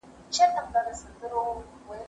زه له سهاره د سبا لپاره د ليکلو تمرين کوم،